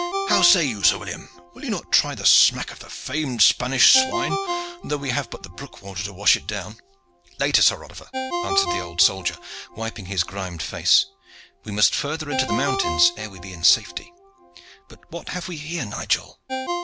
How say you, Sir William, will you not try the smack of the famed Spanish swine, though we have but the brook water to wash it down?" "Later, Sir Oliver," answered the old soldier, wiping his grimed face. "We must further into the mountains ere we be in safety. But what have we here, Nigel?"